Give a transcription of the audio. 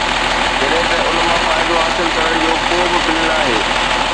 جڏهن ته ان مان فائدو حاصل ڪرڻ جو ڪو به بل ناهي